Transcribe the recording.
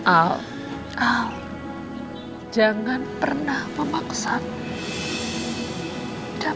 aku akan paksa anjing